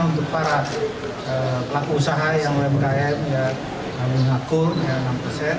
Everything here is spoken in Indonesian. untuk para usaha yang umkm yang mengakur enam persen